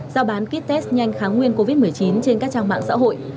giao bán ký test nhanh kháng nguyên covid một mươi chín trên các trang mạng xã hội